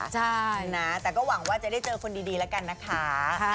ใช่นะแต่ก็หวังว่าจะได้เจอคนดีแล้วกันนะคะ